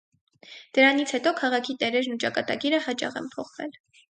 Դրանից հետո քաղաքի տերերն ու ճակատագիրը հաճախ են փոփոխվել։